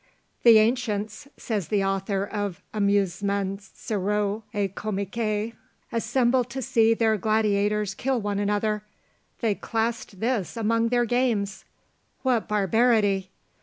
"The ancients," says the author of Amusemens Sérieux et Comiques, "assembled to see their gladiators kill one another; they classed this among their games! What barbarity!